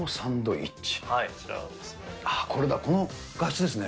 これだ、この画質ですね。